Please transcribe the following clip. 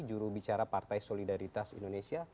juru bicara partai solidaritas indonesia